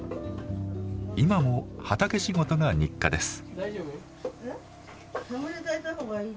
今も畑仕事が日課です。